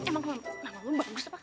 nama lu bagus apa